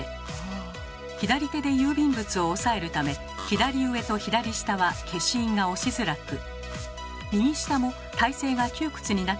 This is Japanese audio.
左手で郵便物を押さえるため左上と左下は消印が押しづらく右下も体勢が窮屈になってしまうため